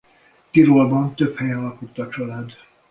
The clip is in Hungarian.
Tirolban több helyen lakott a család.